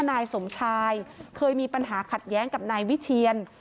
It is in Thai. นายสมชายเคยมีปัญหาขัดแย้งกับนายวิเชียน